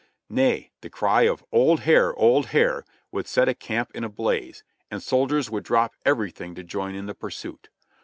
Nay, the cry of "Old hare! old hare!" would set a camp in a blaze, and soldiers would drop everything to join in the pursuit.